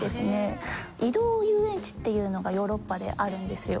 移動遊園地っていうのがヨーロッパであるんですよ。